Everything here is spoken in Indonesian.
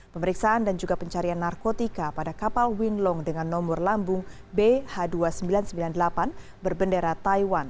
pemeriksaan dan juga pencarian narkotika pada kapal winlong dengan nomor lambung bh dua ribu sembilan ratus sembilan puluh delapan berbendera taiwan